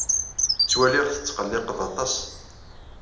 Ttwaliɣ tetqelliqeḍ aṭas.